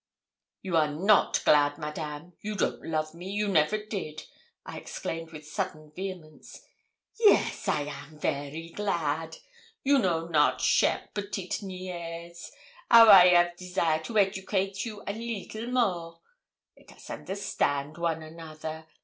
'You are not glad, Madame; you don't love me you never did,' I exclaimed with sudden vehemence. 'Yes, I am very glad; you know not, chère petite niaise, how I 'av desire to educate you a leetle more. Let us understand one another.